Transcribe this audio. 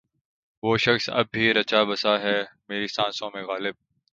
وہ شخص اب بھی رچا بسا ہے میری سانسوں میں غالب